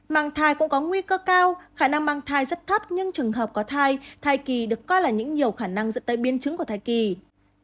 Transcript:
mang thai cũng có nguy cơ cao khả năng mang thai rất thấp nhưng trường hợp có thai thai kỳ được coi là những nhiều khả năng dẫn tới biến chứng của thai kỳ